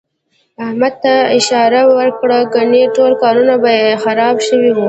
احمد ته علي اشاره ور کړله، ګني ټول کارونه به یې خراب شوي وو.